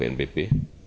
menteri para pnpb